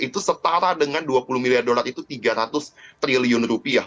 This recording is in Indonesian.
itu setara dengan dua puluh miliar dolar itu tiga ratus triliun rupiah